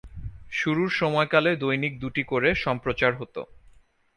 শুরুর সময়কালে দৈনিক দুটি করে সম্প্রচার হত।